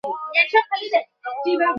Chicken nuggets hello?